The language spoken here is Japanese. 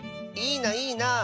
いいないいな。